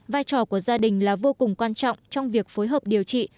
vai trò của gia đình là vô cùng quan trọng trong việc phối hợp điều trị